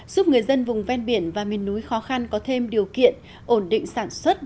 để dân vùng ven biển và miền núi khó khăn có thêm điều kiện ổn định sản xuất